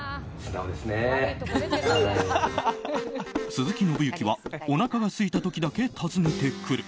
鈴木伸之はおなかがすいた時だけ訪ねてくる。